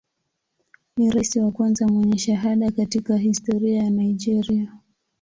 Ni rais wa kwanza mwenye shahada katika historia ya Nigeria.